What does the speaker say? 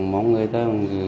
mong người ta